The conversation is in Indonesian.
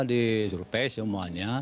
di jurupe semuanya